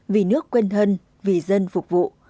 vì nước quên thân vì dân phục vụ